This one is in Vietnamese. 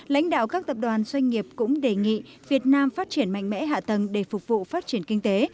lãnh đạo các tập đoàn doanh nghiệp cũng đề nghị việt nam phát triển mạnh mẽ hạ tầng để phục vụ phát triển kinh tế